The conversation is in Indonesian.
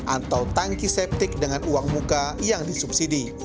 atau tanki septic dengan uang muka yang disubsidi